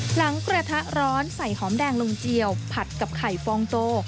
หลังกระทะร้อนใส่หอมแดงลงเจียวผัดกับไข่ฟองโต